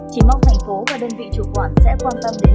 chỉ mong thành phố và đơn vị chủ quản sẽ quan tâm đến